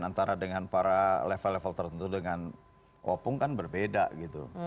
antara dengan para level level tertentu dengan opung kan berbeda gitu